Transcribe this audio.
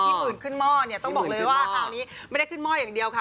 ปืนขึ้นหม้อเนี่ยต้องบอกเลยว่าคราวนี้ไม่ได้ขึ้นหม้ออย่างเดียวค่ะ